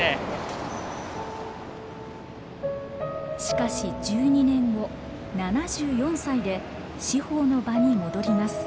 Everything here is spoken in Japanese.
しかし１２年後７４歳で司法の場に戻ります。